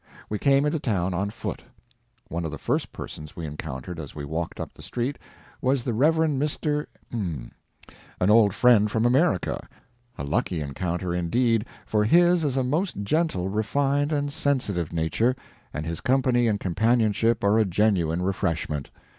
We came into town on foot. One of the first persons we encountered, as we walked up the street, was the Rev. Mr. , an old friend from America a lucky encounter, indeed, for his is a most gentle, refined, and sensitive nature, and his company and companionship are a genuine refreshment.